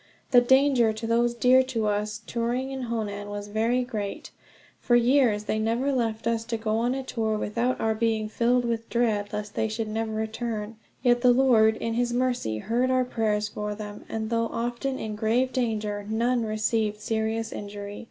The danger to those dear to us, touring in Honan, was very great. For years they never left us to go on a tour without our being filled with dread lest they should never return; yet the Lord, in his mercy, heard our prayers for them; and though often in grave danger, none received serious injury.